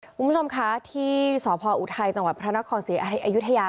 คุณผู้ชมคะที่สพออุทัยจังหวัดพระนครศรีอยุธยา